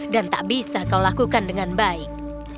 dan tak bisa kau lakukan dengan baik